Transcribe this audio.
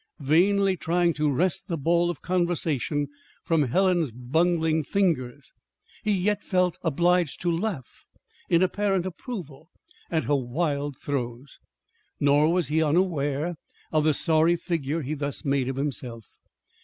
Vainly trying to wrest the ball of conversation from Helen's bungling fingers, he yet felt obliged to laugh in apparent approval at her wild throws. Nor was he unaware of the sorry figure he thus made of himself.